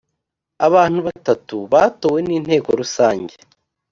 abantu batatu batowe n’inteko rusange